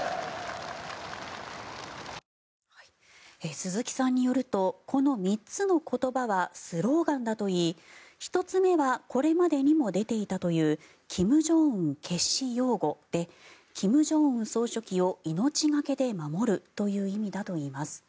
鈴木さんによるとこの３つの言葉はスローガンだといい１つ目はこれまでにも出ていたという「金正恩決死擁護」で金正恩総書記を命懸けで守るという意味だといいます。